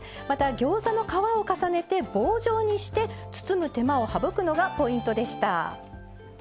またギョーザの皮を重ねて棒状にして包む手間を省くのがポイントでした。